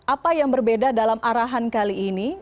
apa yang berbeda dalam arahan kali ini